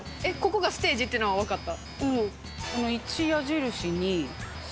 ここがＳＴＡＧＥっていうのは分かった。